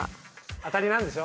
当たりなんでしょ。